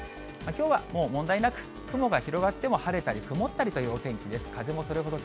きょうはもう問題なく、雲が広がっても晴れたり曇ったりというお天気です。